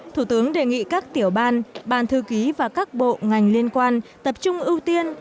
thủ tướng đề nghị các tiểu ban ban thư ký và các bộ ngành liên quan tập trung ưu tiên